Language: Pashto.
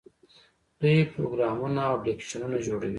دوی پروګرامونه او اپلیکیشنونه جوړوي.